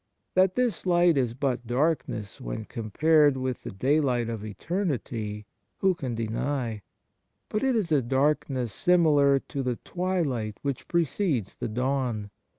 That this light is but darkness when com pared with the daylight of eternity, who can deny ? But it is a darkness similar to the twilight which precedes the dawn.